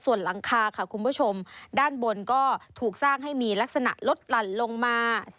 ส่วนหลังคาค่ะคุณผู้ชมด้านบนก็ถูกสร้างให้มีลักษณะลดหลั่นลงมา